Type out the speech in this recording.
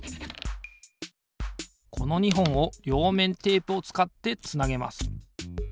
この２ほんをりょうめんテープをつかってつなげます。